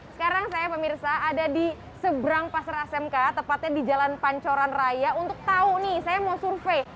sekarang saya pemirsa ada di seberang pasar asmk tepatnya di jalan pancoran raya untuk tahu nih saya mau survei